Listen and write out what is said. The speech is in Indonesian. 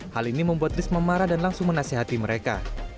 hal ini membuat risma marah dan langsung menasehati mereka